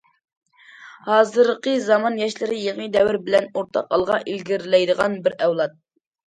ھازىرقى زامان ياشلىرى يېڭى دەۋر بىلەن ئورتاق ئالغا ئىلگىرىلەيدىغان بىر ئەۋلاد.